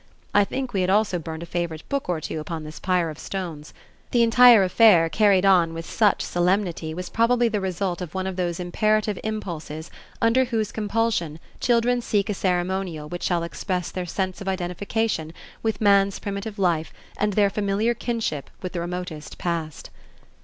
I think we had also burned a favorite book or two upon this pyre of stones. The entire affair carried on with such solemnity was probably the result of one of those imperative impulses under whose compulsion children seek a ceremonial which shall express their sense of identification with man's primitive life and their familiar kinship with the remotest past.